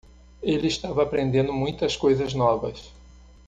Ele estava aprendendo muitas coisas novas.